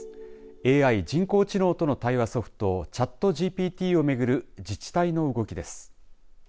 ＡＩ、人工知能との対話ソフトＣｈａｔＧＰＴを巡る自治体の動きです。